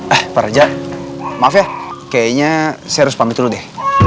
eh pak raja maaf ya kayaknya saya harus pamit dulu deh